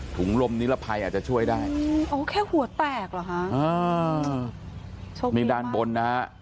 ถุงลมนิรภัยอาจจะช่วยได้อ๋อแค่หัวแตกเหรอฮะอ่าโชคดีนี่ด้านบนนะฮะ